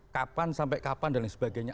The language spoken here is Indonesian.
kapan sampai kapan dan lain sebagainya